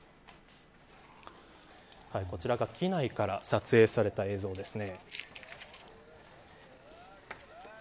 こちらが機内から撮影された映像ですね。